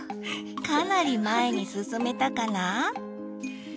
かなり前に進めたかな？